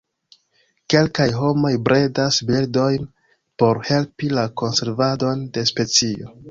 Kelkaj homoj bredas birdojn por helpi la konservadon de specio.